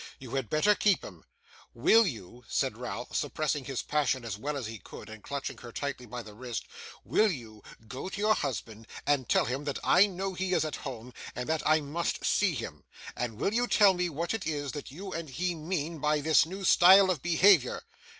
You had better keep 'em.' 'Will you,' said Ralph, suppressing his passion as well as he could, and clutching her tightly by the wrist; 'will you go to your husband and tell him that I know he is at home, and that I must see him? And will you tell me what it is that you and he mean by this new style of behaviour?